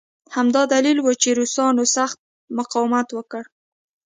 همدا دلیل و چې روسانو سخت مقاومت وکړ